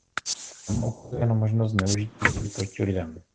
Drama ukazuje na možnost zneužití vědy proti lidem.